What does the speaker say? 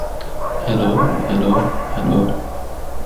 Drake অস্ট্রেলিয়ার প্রাথমিক ও উদ্যমী সমর্থক ছিলেন।